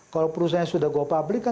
kalau perusahaannya sudah go public